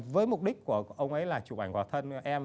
với mục đích của ông ấy là chụp ảnh vào thân em